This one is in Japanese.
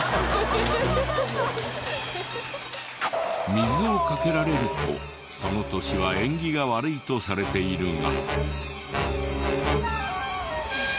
水をかけられるとその年は縁起が悪いとされているが。